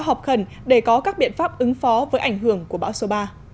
họp khẩn để có các biện pháp ứng phó với ảnh hưởng của bão số ba